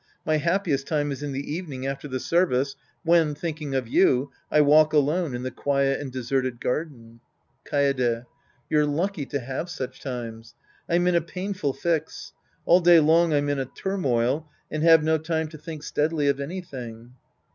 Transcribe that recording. My happiest time is in the evening after the service whep, thinking of you, I walk alone in the quiet and deserted garden. Kaede. You're lucky to have such times. I'm in a painful fix. All day long I'm in a turmoil and have no time to think steadily of anything.